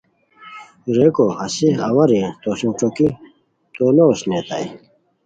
ریکو ہسے اوا رے تو سوم ݯوکی تو اوسنئیتائے